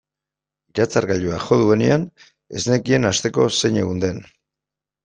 Iratzargailuak jo duenean ez nekien asteko zein egun den.